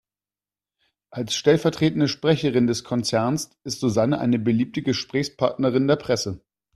Als stellvertretende Sprecherin des Konzerns ist Susanne eine beliebte Gesprächspartnerin der Presse.